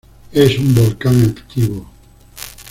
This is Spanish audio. Es un volcán activo.